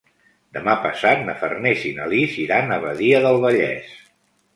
Demà passat na Farners i na Lis iran a Badia del Vallès.